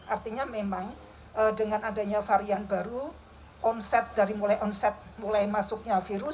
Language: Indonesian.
artinya memang dengan adanya varian baru onset dari mulai onset mulai masuknya virus